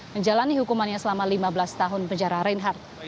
menjalani hukumannya selama lima belas tahun penjara reinhardt